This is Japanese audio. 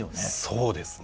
そうですね。